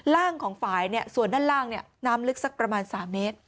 ของฝ่ายส่วนด้านล่างน้ำลึกสักประมาณ๓เมตร